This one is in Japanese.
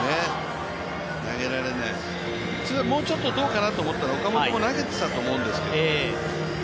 投げられない、普通はもうちょっとどうかなって思ったら、岡本も投げていたと思うんですけど。